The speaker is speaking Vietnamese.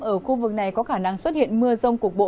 ở khu vực này có khả năng xuất hiện mưa rông cục bộ